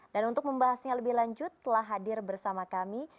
dan untuk membahasnya lebih lanjut telah hadir bersama kami